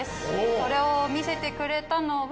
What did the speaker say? それを見せてくれたのは。